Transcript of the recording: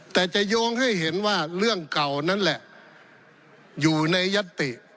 แต่จะโยงให้เห็นว่าเรื่องเก่านั่นแหละอยู่ในยัตติ